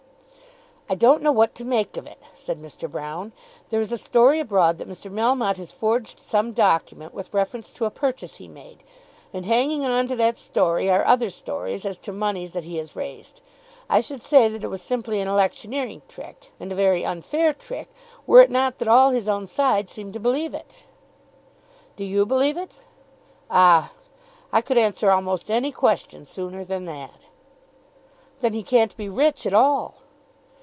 "I don't know what to make of it," said Mr. Broune. "There is a story abroad that Mr. Melmotte has forged some document with reference to a purchase he made, and hanging on to that story are other stories as to moneys that he has raised. I should say that it was simply an electioneering trick, and a very unfair trick, were it not that all his own side seem to believe it." "Do you believe it?" "Ah, I could answer almost any question sooner than that." "Then he can't be rich at all."